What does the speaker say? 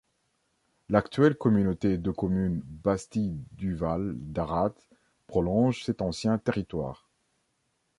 L'actuelle communauté de communes Bastides du Val d'Arrats prolonge cet ancien territoire.